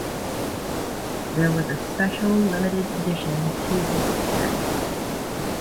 There was a special limited-edition two-disc set.